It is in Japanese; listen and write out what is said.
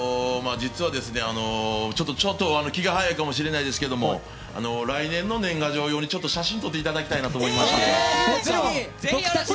実は、ちょっと気が早いかもしれないですけど来年の年賀状用に写真を撮っていただきたいと思いまして。